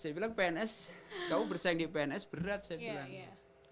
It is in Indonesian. saya bilang pns kamu bersaing di pns berat saya bilang